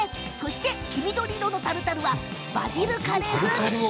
黄緑色のタルタルはバジルカレー風味。